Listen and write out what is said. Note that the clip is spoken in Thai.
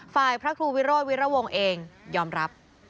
พระครูวิโรธวิรวงศ์เองยอมรับ